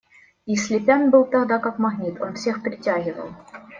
И Слепян был тогда как магнит: он всех притягивал.